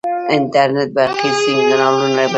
انټرنیټ برقي سیګنالونه بدلوي.